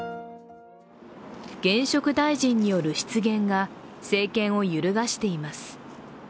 現職大臣による失言が政権を揺るがしています。